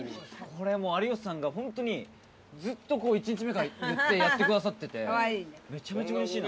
これもう有吉さんがホントにずっと１日目から言ってやってくださっててめちゃめちゃうれしいなって。